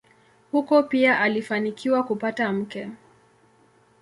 Huko pia alifanikiwa kupata mke.